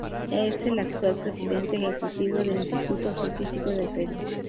Es el actual presidente ejecutivo del Instituto Geofísico del Perú.